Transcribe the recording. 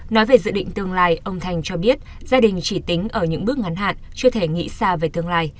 nói về dự định tương lai ông thành cho biết gia đình chỉ tính ở những bước ngắn hạn chưa thể nghĩ xa về tương lai